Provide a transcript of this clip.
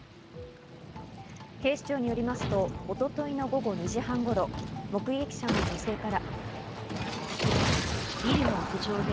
警視庁よりますと一昨日の午後２時半頃、目撃者の女性から。